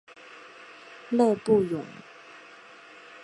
勒布永。